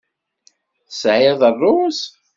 Tesɛiḍ ṛṛuz?